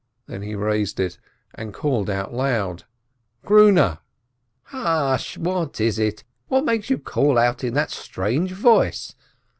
Then he raised it, and called out loud : "Grune!" "Hush! What is it? What makes you call out in that strange voice?"